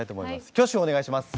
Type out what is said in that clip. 挙手をお願いします。